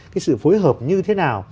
cái sự phối hợp như thế nào